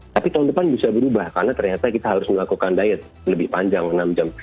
tapi tahun depan bisa berubah karena ternyata kita harus melakukan diet lebih panjang enam jam